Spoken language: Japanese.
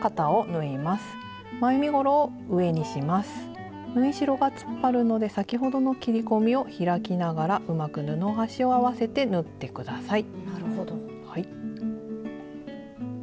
縫い代が突っ張るので先ほどの切り込みを開きながらうまく布端を合わせて縫って下さい。